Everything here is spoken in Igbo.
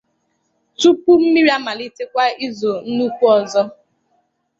tupuu mmiri amalitekwa izò nnukwu ọzọ.